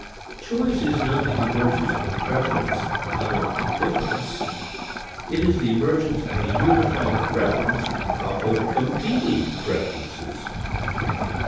Choice is not the emergence of preference out of indifference. It is the emergence of a unified preference out of competing preferences.